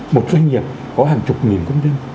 một doanh nghiệp có hàng chục nghìn công dân